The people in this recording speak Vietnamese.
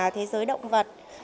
thế giới động vật